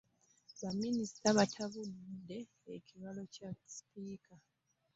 Baminisita batabudde ekibalo kya sipiika.